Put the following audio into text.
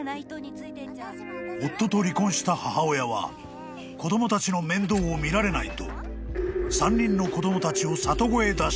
［夫と離婚した母親は子供たちの面倒を見られないと］